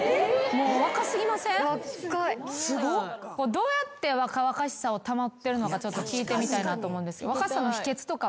どうやって若々しさを保ってるのか聞いてみたいなと思うんです。